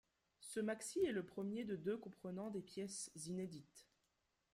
Ce maxi est le premier de deux comprenant des pièces inédites.